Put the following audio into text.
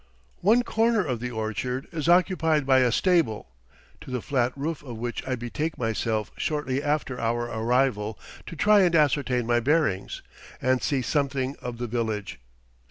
One corner of the orchard is occupied by a stable, to the flat roof of which I betake myself shortly after our arrival to try and ascertain my bearings, and see something of the village.